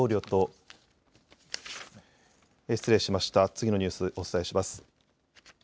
次のニュースお伝えします。